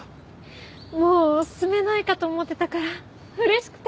もう住めないかと思ってたから嬉しくて。